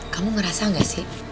kamu ngerasa gak sih